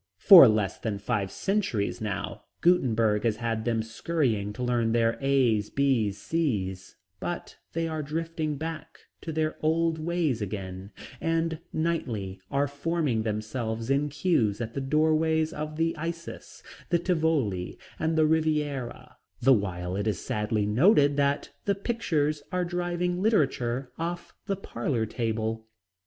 For less than five centuries now Gutenberg has had them scurrying to learn their A, B, C's, but they are drifting back to their old ways again, and nightly are forming themselves in cues at the doorways of the "Isis," the "Tivoli," and the "Riviera," the while it is sadly noted that "'the pictures' are driving literature off the parlor table."